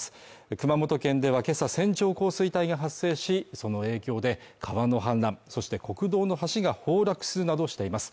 熊本県ではけさ線状降水帯が発生しその影響で川の氾濫、そして国道の橋が崩落するなどしています。